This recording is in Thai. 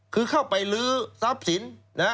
คือเข้าไปลื้อทรัพย์สิน